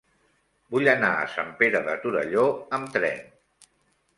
Vull anar a Sant Pere de Torelló amb tren.